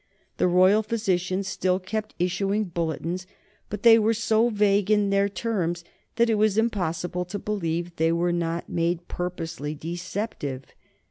The royal physicians still kept issuing bulletins, but they were so vague in their terms that it is impossible to believe they were not made purposely deceptive.